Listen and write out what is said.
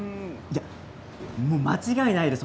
間違いないです。